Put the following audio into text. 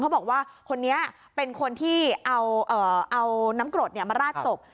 บอกว่าคนนี้เป็นคนที่เอาน้ำกรดมาราดศพ